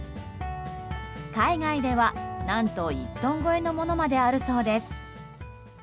海外では何と１トン超えのものまであるそうです。